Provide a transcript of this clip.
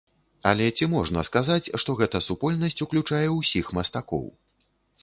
Але ці можна сказаць, што гэта супольнасць уключае ўсіх мастакоў?